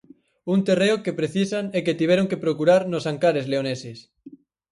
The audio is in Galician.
Un terreo que precisan e que tiveron que procurar nos Ancares leoneses.